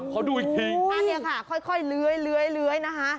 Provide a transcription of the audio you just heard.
ขอดูอีกทีอันนี้ค่ะค่อยเลื้อยนะคะ